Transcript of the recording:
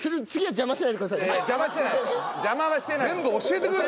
邪魔はしてないの。